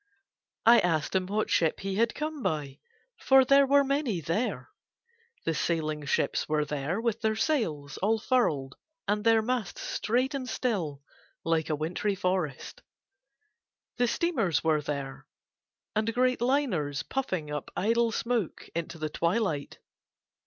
I asked him what ship he had come by, for there were many there. The sailing ships were there with their sails all furled and their masts straight and still like a wintry forest; the steamers were there, and great liners, puffing up idle smoke into the twilight.